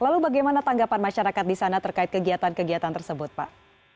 lalu bagaimana tanggapan masyarakat di sana terkait kegiatan kegiatan tersebut pak